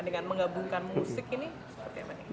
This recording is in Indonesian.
dengan menggabungkan musik ini seperti apa nih